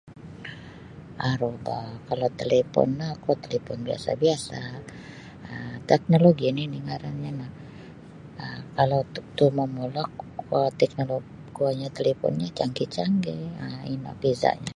Aru da kalau telipon no oku telipon biasa-biasa um teknologi nini ngarannya no um kalau tu momulok teknolo kuonyo teliponnyo canggih-canggih um ino bezanyo.